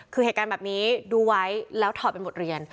คือเหตุการณ์แบบนี้ดูไว้แล้วถอดเป็นบทเรียน